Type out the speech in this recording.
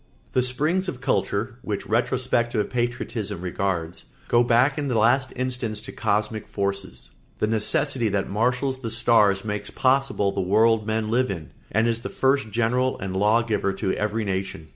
] The springs of culture, which retrospective patriotism regards, go back in the last instance to cosmic forces. The necessity that marshals the stars makes possible the world men live in, and is the first general and law giver to every nation.